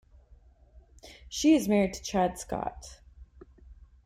She is married to Chad Scott.